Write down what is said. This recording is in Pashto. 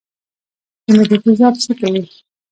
د معدې تیزاب څه کوي؟